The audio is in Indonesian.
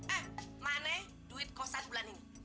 ah mana duit kosat bulan ini